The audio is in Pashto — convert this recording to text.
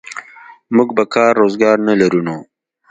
موږ به کار روزګار نه لرو نو.